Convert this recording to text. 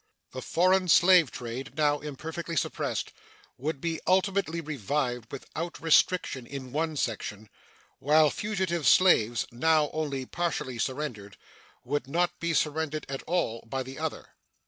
The foreign slave trade, now imperfectly suppressed, would be ultimately revived without restriction in one section, while fugitive slaves, now only partially surrendered, would not be surrendered at all by the other.